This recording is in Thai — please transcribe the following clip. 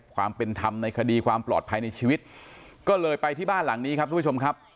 ความเป็นธรรมในคดีความปลอดภัยในชีวิตก็เลยไปที่บ้านหลังนี้ครับทุกผู้ชมครับ